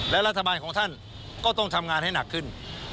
และรัฐบาลของท่านก็ต้องทำงานให้หนักขึ้น